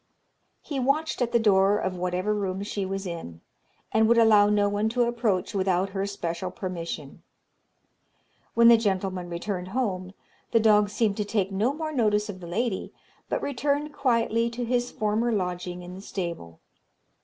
He watched at the door of whatever room she was in, and would allow no one to approach without her special permission. When the gentleman returned home, the dog seemed to take no more notice of the lady, but returned quietly to his former lodging in the stable.